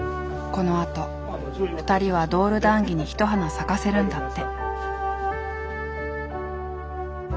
このあと２人はドール談義に一花咲かせるんだって。